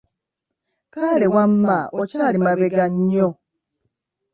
Kale wamma okyali mabega nnyo!